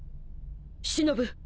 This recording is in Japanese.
しのぶ。